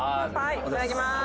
いただきます。